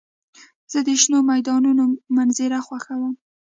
زه د شنو میدانونو منظر خوښوم.